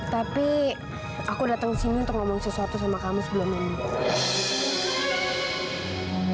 tapi aku datang sini untuk ngomong sesuatu sama kamu sebelum mandi